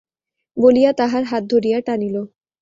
বলিয়া তাহার হাত ধরিয়া টানিল।